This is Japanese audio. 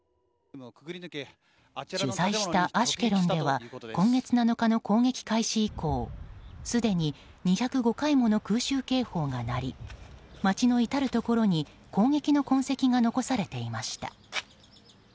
取材したアシュケロンでは今月７日の攻撃開始以降すでに２０５回もの空襲警報が鳴り町の至るところに攻撃の痕跡が残されていました。